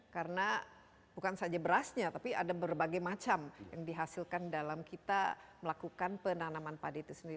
karena bukan saja berasnya tapi ada berbagai macam yang dihasilkan dalam kita melakukan penanaman padi itu sendiri